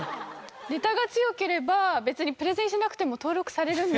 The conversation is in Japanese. ネタが強ければ別にプレゼンしなくても登録されるんだって。